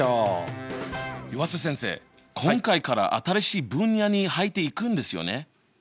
今回から新しい分野に入っていくんですよね？